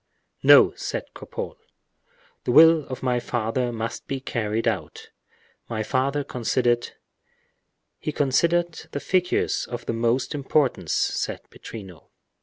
"No," said Cropole, "the will of my father must be carried out. My father considered—" "He considered the figures of the most importance," said Pittrino.